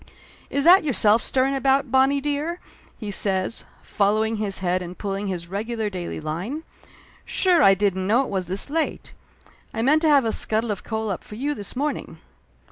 "Is that yourself stirring about, Bonnie dear?" he says, following his head and pulling his regular daily line. "Sure I didn't know it was this late! I meant to have a scuttle of coal up for you this morning